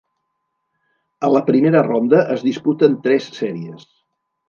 A la primera ronda es disputen tres sèries.